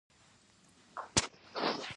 دا سیالي د ډوډۍ ورکولو په سر وه.